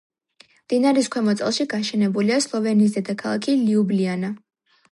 მდინარის ქვემო წელში გაშენებულია სლოვენიის დედაქალაქი ლიუბლიანა.